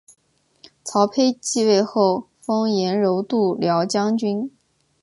曹丕即位后封阎柔度辽将军。